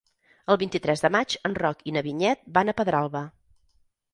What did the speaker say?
El vint-i-tres de maig en Roc i na Vinyet van a Pedralba.